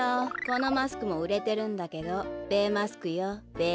このマスクもうれてるんだけどべマスクよべ。